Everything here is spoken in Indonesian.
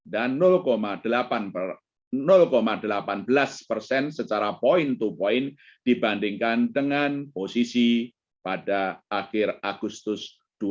dan delapan belas persen secara point to point dibandingkan dengan posisi pada akhir agustus dua ribu dua puluh satu